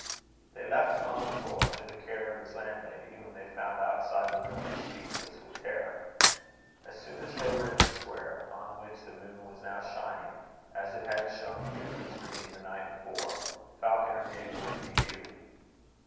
They left him on the floor, to the care of his landlady, whom they found outside the room, speechless with terror. As soon as they were in the square, on which the moon was now shining, as it had shone in Euphra's dream the night before, Falconer gave the ring to Hugh.